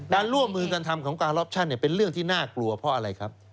การร่วมมือกันทำของการลอปชั่นเป็นเรื่องที่น่ากลัวเพราะอะไรครับ